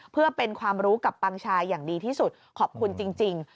เพื่อเป็นความรู้กับปังชายอย่างดีที่สุดขอบคุณจริง